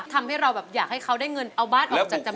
ทำให้เราแบบอยากให้เขาได้เงินเอาบ้านออกจากจำ